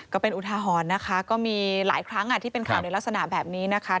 ก็เป็นอุทาหรณ์นะคะก็มีหลายครั้งที่เป็นข่าวในลักษณะแบบนี้นะคะ